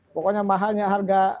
pokoknya mahalnya harga